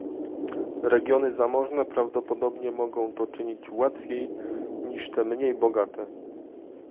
Regiony zamożne prawdopodobnie mogą to czynić łatwiej niż te mniej bogate